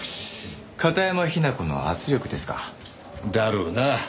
片山雛子の圧力ですか？だろうな。